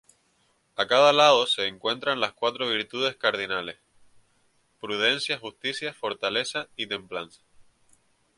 A cada lado se encuentran las cuatro virtudes cardinales, prudencia, justicia, fortaleza y templanza.